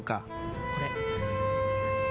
これ。